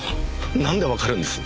なんでわかるんです？